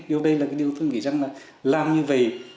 điều đây là cái điều tôi nghĩ rằng là làm như vậy